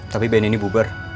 tapi ben ini bubar